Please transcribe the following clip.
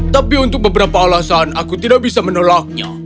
tapi untuk beberapa alasan aku tidak bisa menolaknya